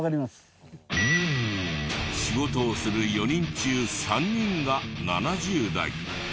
仕事をする４人中３人が７０代。